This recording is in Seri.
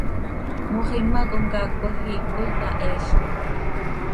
Moxima comcaac cmajiic coi yaheeelcoj.